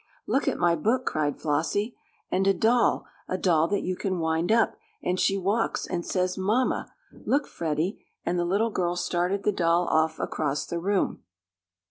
"Look at my book!" cried Flossie. "And a doll a doll that you can wind up, and she walks and says 'mamma.' Look, Freddie!" and the little girl started the doll off across the room.